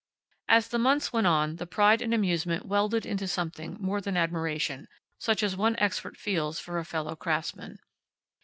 As the months went on the pride and amusement welded into something more than admiration, such as one expert feels for a fellow craftsman.